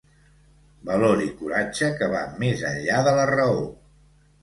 Valor i coratge que va més enllà de la raó.